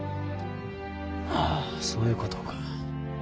ああそういうことか。